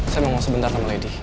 saya mau sebentar sama lady